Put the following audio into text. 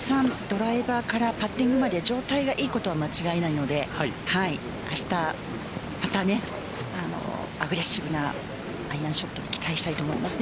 ドライバーからパッティングまで状態が良いことは間違いないので明日、またアグレッシブなアイアンショットに期待したいと思います。